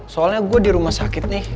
soalnya gue di rumah sakit nih